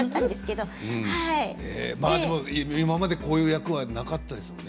今までこういう役はなかったですよね。